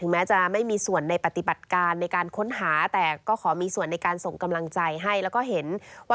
งั้นจากตะกรขอให้ทีมหมูป่าซู้จริงแล้วก็เป็นอีกหนึ่งกำลังใจนะคะ